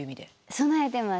備えてます。